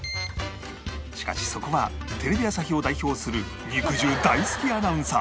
しかしそこはテレビ朝日を代表する肉汁大好きアナウンサー